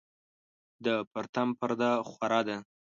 د پرتم پرده خوره ده